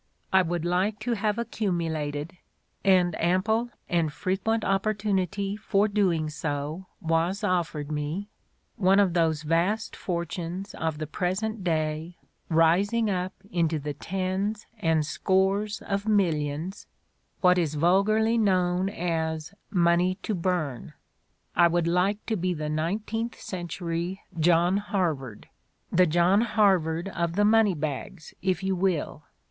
I would like to have accumulated — and ample and frequent opportunity for so doing was offered me — one of those vast fortunes of the present day rising up into the tens and scores of millions — what is vulgarly known as 'money to burn' ... I would like to be the nineteenth century John Harvard — the John Harvard of the Money Bags, if you will.